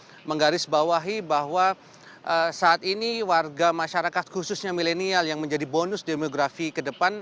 saya menggarisbawahi bahwa saat ini warga masyarakat khususnya milenial yang menjadi bonus demografi ke depan